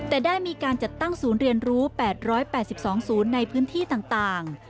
แต่ได้มีการจัดตั้งศูนย์เรียนรู้๘๘๒ศูนย์ในพื้นที่ต่าง